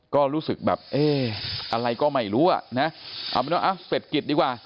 ก็รู้สึกแบบเอ๊ะอะไรก็ไม่รู้อะนะ